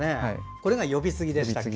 これが呼び継ぎですね。